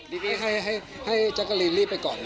ไม่รีบให้จั๊กรีนรีบไปก่อนเลยค่ะด้วยกินเด็กดี